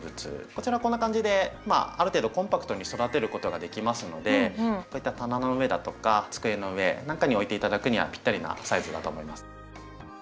こちらこんな感じである程度コンパクトに育てることができますのでこういった棚の上だとか机の上なんかに置いて頂くにはピッタリなサイズだと思います。